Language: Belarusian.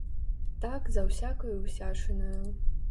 Так за ўсякаю ўсячынаю.